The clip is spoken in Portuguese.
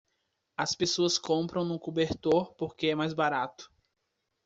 As pessoas compram no cobertor porque é mais barato.